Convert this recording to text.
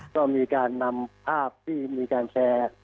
ก็มีการนำภาพที่มีการแชร์